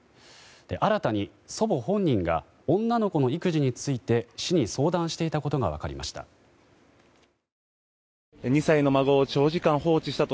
新たに祖母本人が女の子の育児について市に相談していたことが分かりました。